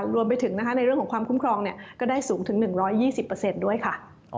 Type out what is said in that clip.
รวมไปถึงในเรื่องของความคุ้มครองก็ได้สูงถึง๑๒๐ด้วยค่ะ